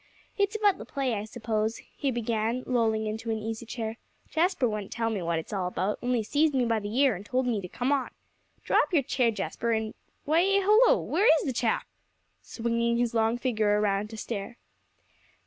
"It's about the play, I suppose," he began, lolling into an easy chair; "Jasper wouldn't tell me what it's all about; only seized me by the ear, and told me to come on. Draw up your chair, Jasper, and why, hullo! where is the chap?" swinging his long figure around to stare.